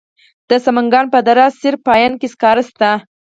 د سمنګان په دره صوف پاین کې سکاره شته.